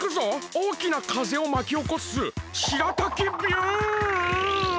おおきなかぜをまきおこすしらたきビュン！